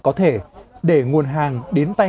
có thể để nguồn hàng đến tay